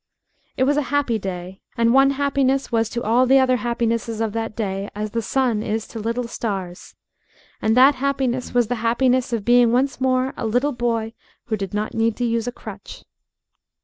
It was a happy day. And one happiness was to all the other happinesses of that day as the sun is to little stars and that happiness was the happiness of being once more a little boy who did not need to use a crutch.